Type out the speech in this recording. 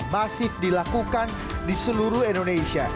masif dilakukan di seluruh indonesia